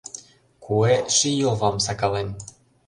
Куэ ший йолвам сакален.